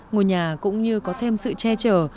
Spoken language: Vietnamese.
ngôi nhà cũng như có thêm sự che chở